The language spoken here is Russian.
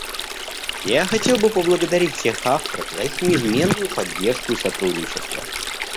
Я хотел бы поблагодарить всех авторов за их неизменную поддержку и сотрудничество.